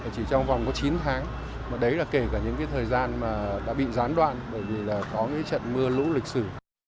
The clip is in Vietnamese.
chỉ trong vòng có chín tháng mà đấy là kể cả những thời gian mà đã bị gián đoạn bởi vì là có trận mưa lũ lịch sử